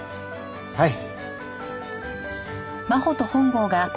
はい！